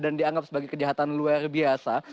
dan dianggap sebagai kejahatan luar biasa